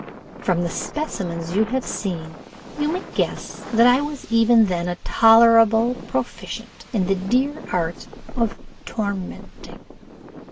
From the specimens you have seen, you may guess that I was even then a tolerable proficient in the dear art of tormenting.